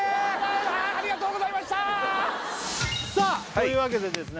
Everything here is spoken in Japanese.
さあというわけでですね